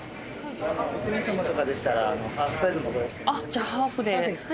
じゃあハーフで。